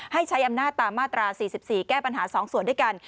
ให้ใช้อำนาจตามมาตรา๔๔แก้ปัญหา๒ส่วนด้วยกัน